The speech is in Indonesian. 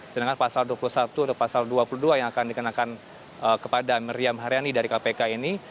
sedangkan pasal dua puluh satu atau pasal dua puluh dua yang akan dikenakan kepada meriam haryani dari kpk ini